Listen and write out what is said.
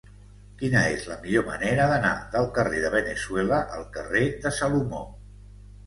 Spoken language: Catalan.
Quina és la millor manera d'anar del carrer de Veneçuela al carrer de Salomó?